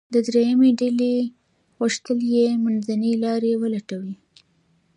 درېیمه ډله غوښتل یې منځنۍ لاره ولټوي.